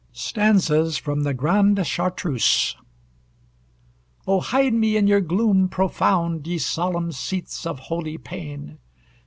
STANZAS FROM THE GRANDE CHARTREUSE Oh, hide me in your gloom profound, Ye solemn seats of holy pain!